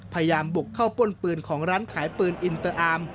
พยายามบุกเข้าป้นปืนของร้านขายปืนอินเตอร์อาร์ม